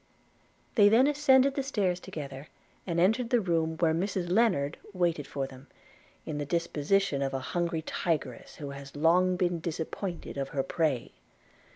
They then ascended the stairs together, and entered the room where Mrs Lennard waited for them in the disposition of an hungry tigress who has long been disappointed of her prey.